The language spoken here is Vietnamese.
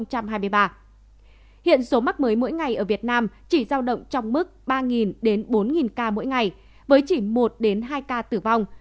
hiện số mắc mới mỗi ngày ở việt nam chỉ giao động trong mức ba đến bốn ca mỗi ngày với chỉ một hai ca tử vong